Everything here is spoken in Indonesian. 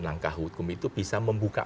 langkah hukum itu bisa membuka